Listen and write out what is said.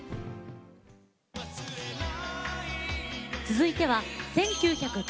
続いては１９９０年。